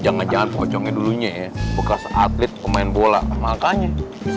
jangan jangan pocongnya dulunya ya bekas atlet pemain bola makanya